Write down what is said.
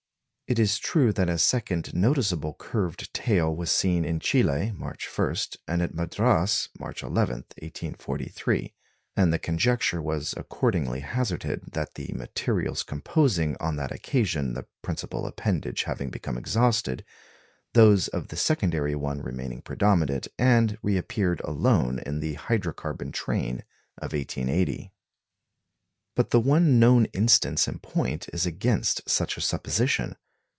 It is true that a second noticeably curved tail was seen in Chili, March 1, and at Madras, March 11, 1843; and the conjecture was accordingly hazarded that the materials composing on that occasion the principal appendage having become exhausted, those of the secondary one remained predominant, and reappeared alone in the "hydro carbon" train of 1880. But the one known instance in point is against such a supposition.